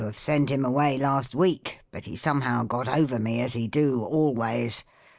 »^, have sent him away last week but he somehow got o\ er me as he do always.